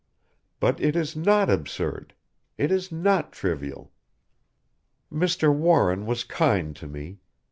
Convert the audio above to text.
But it is not absurd it is not trivial! "Mr. Warren was kind to me.